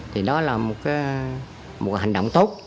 thì đó là một hành động tốt